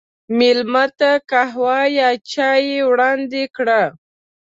مېلمه ته قهوه یا چای وړاندې کړه.